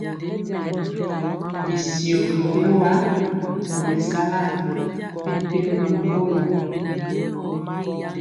Ɓisio ɓiɛwa me sala mɛpembo rikolo.